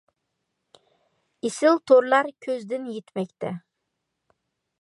ئېسىل تورلار كۆزدىن يىتمەكتە.